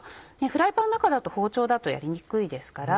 フライパンの中だと包丁だとやりにくいですから。